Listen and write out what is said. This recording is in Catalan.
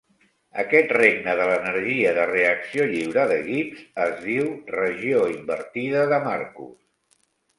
Aquest regne de l'energia de reacció lliure de Gibbs es diu "regió invertida de Marcus".